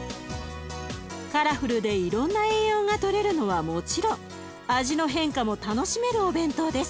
カラフルでいろんな栄養がとれるのはもちろん味の変化も楽しめるお弁当です。